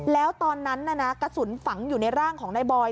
แล้วตอนนั้นกระสุนฝังอยู่ในร่างของนายบอย